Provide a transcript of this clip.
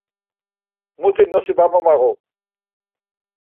Muti nosi va momağu.